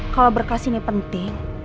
kalau berkas ini penting